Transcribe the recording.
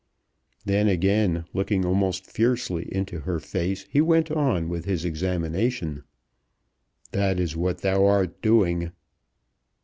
Then, again, looking almost fiercely into her face, he went on with his examination, "That is what thou art doing."